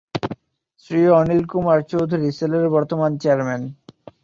শ্রী অনিল কুমার চৌধুরী সেলের বর্তমান চেয়ারম্যান।